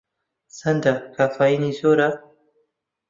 چەندە کافین زۆرە؟